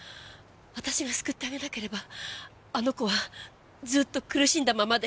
私が救ってあげなければあの子はずっと苦しんだままで。